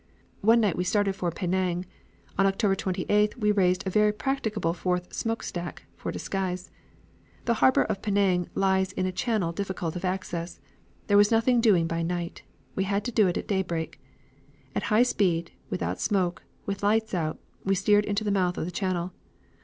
One night we started for Penang. On October 28th we raised a very practicable fourth smokestack (for disguise). The harbor of Penang lies in a channel difficult of access. There was nothing doing by night. We had to do it at daybreak. At high speed, without smoke, with lights out, we steered into the mouth of the channel.